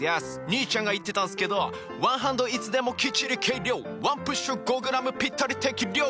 兄ちゃんが言ってたんすけど「ワンハンドいつでもきっちり計量」「ワンプッシュ５ｇぴったり適量！」